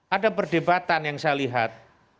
ada perdebatan yang saya lihat